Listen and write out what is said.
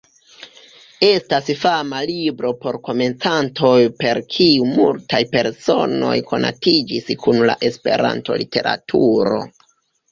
Estas fama libro por komencantoj per kiu multaj personoj konatiĝis kun la Esperanto-literaturo.